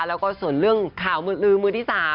แล้วก็ส่วนเรื่องข่าวลือมือที่๓